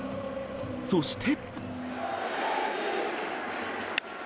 そして。